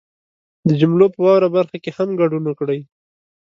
د جملو په واورئ برخه کې هم ګډون وکړئ